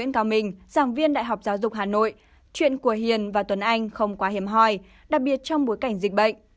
chuyện của hiền và tuấn anh không quá hiểm hoài đặc biệt trong bối cảnh dịch bệnh